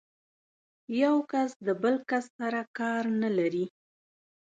يو کس د بل کس سره کار نه لري.